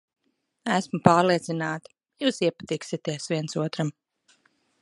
Esmu pārliecināta, jūs iepatiksieties viens otram.